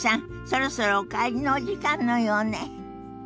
そろそろお帰りのお時間のようね。